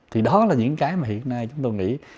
thì đó là những cái mà hiện nay chúng tôi nghĩ